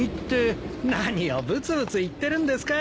何をぶつぶつ言ってるんですか。